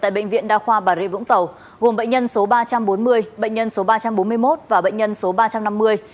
tại bệnh viện đa khoa bà rịa vũng tàu gồm bệnh nhân số ba trăm bốn mươi bệnh nhân số ba trăm bốn mươi một và bệnh nhân số ba trăm năm mươi